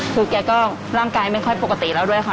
คือแกก็ร่างกายไม่ค่อยปกติแล้วด้วยค่ะ